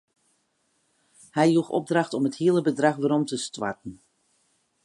Hy joech opdracht om it hiele bedrach werom te stoarten.